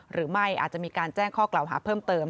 หรือไม่อาจจะมีการแจ้งข้อกล่าวหาเพิ่มเติม